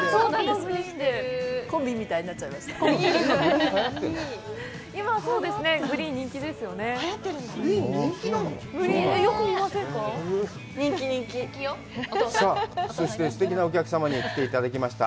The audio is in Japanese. コンビみたいになっちゃいました。